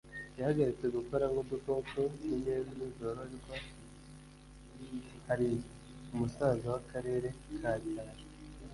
yahagaritse gukora nkudukoko ninyenzi zororerwa hariya. umusaza w'akarere ka cyaro